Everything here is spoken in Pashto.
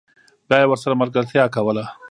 بیا یې ورسره ملګرتیا کوله